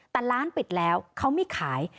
แต่ร้านปิดแล้วเขาไม่ขาย